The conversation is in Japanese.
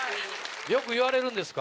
よく言われるんですか？